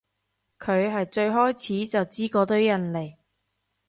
佢係最開始就知嗰堆人嚟